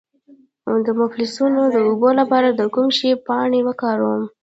د مفصلونو د اوبو لپاره د کوم شي پاڼې وکاروم؟